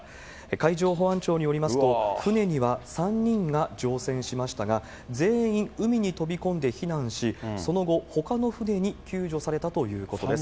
海上保安庁によりますと、船には３人が乗船しましたが、全員、海に飛び込んで避難し、その後、ほかの船に救助されたということです。